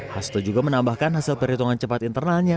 hasto juga menambahkan hasil perhitungan cepat internalnya